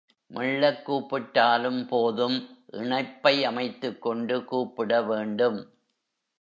மெள்ளக் கூப்பிட்டாலும் போதும் இணைப்பை அமைத்துக் கொண்டு கூப்பிட வேண்டும்.